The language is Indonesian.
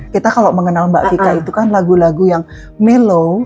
kita kalau mengenal mbak vika itu kan lagu lagu yang melo